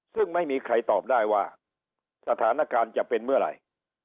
ซึ่งไม่มีใครตอบได้ว่าสถานการณ์จะเป็นเมื่อไหร่